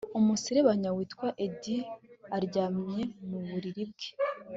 Umuserebanya witwa Ed aryamye mu buriri bwe